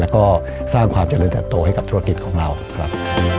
แล้วก็สร้างความเจริญเติบโตให้กับธุรกิจของเราครับ